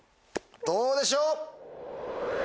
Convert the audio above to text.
どうでしょう？